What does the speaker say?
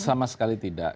sama sekali tidak